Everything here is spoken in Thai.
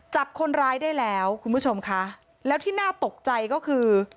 จับคนร้ายได้แล้วคุณผู้ชมค่ะแล้วที่น่าตกใจก็คือ